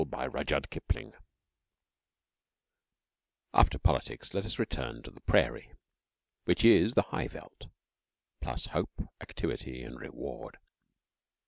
THE FORTUNATE TOWNS After Politics, let us return to the Prairie which is the High Veldt, plus Hope, Activity, and Reward.